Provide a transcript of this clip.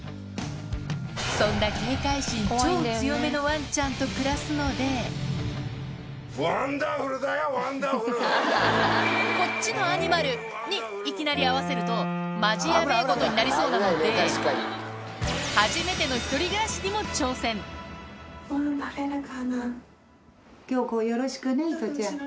そんなのワンちゃんと暮らすのでこっちのアニマルにいきなり会わせるとマジヤベェことになりそうなので初めての１人暮らしにも挑戦京子をよろしくね糸ちゃん。